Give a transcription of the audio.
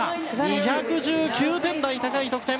２１９点台、高い得点！